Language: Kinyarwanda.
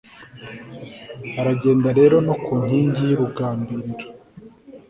baragenda rero no ku nkingi y'urugambiriro